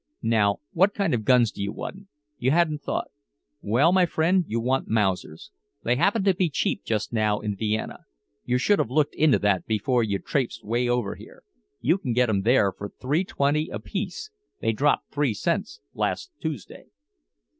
"Now what kind of guns do you want? You hadn't thought? Well, my friend, you want Mausers. They happen to be cheap just now in Vienna. You should have looked into that before you traipsed way over here. You can get 'em there for three twenty apiece they dropped three cents last Tuesday."